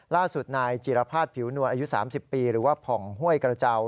ล่าสุดนายจิรภาษณผิวนวลอายุ๓๐ปีหรือว่าผ่องห้วยกระเจ้า